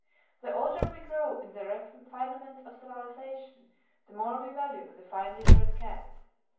The older we grow in the refinements of civilization, the more we value the finely bred cat.